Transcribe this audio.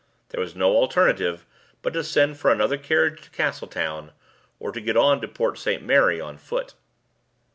There was no alternative but to send for another carriage to Castletown, or to get on to Port St. Mary on foot.